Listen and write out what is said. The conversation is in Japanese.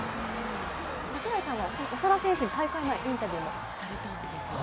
櫻井さんは長田選手に大会前インタビューされたんですね？